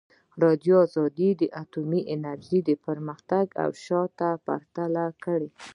ازادي راډیو د اټومي انرژي پرمختګ او شاتګ پرتله کړی.